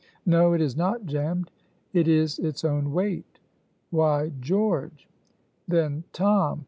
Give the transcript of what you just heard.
"No, it is not jammed it is its own weight. Why, George!" "Then, Tom!